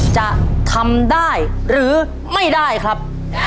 จะทำได้หรือไม่ได้ครับ